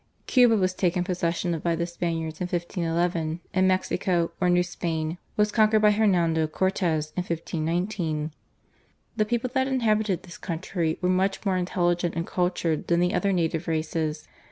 Cuba was taken possession of by the Spaniards in 1511, and Mexico or New Spain was conquered by Hernando Cortes in 1519. The people that inhabited this country were much more intelligent and cultured than the other native races.